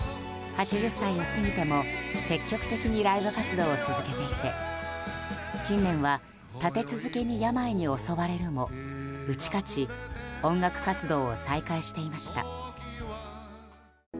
８０歳を過ぎても積極的にライブ活動を続けていて近年は立て続けに病に襲われるも打ち勝ち音楽活動を再開していました。